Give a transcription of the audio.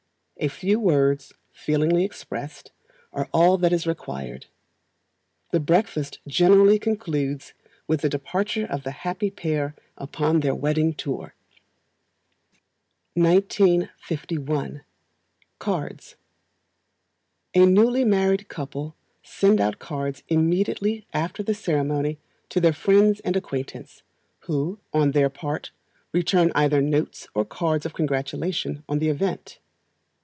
A few words, feelingly expressed, are all that is required. The breakfast generally concludes with the departure of the happy pair upon their wedding tour. [AN HOUR IN THE MORNING IS WORTH TWO AT NIGHT.] 1951. Cards. A newly married couple send out cards immediately after the ceremony to their friends and acquaintance, who, on their part, return either notes or cards of congratulation on the event.